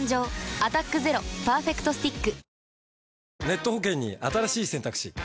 「アタックＺＥＲＯパーフェクトスティック」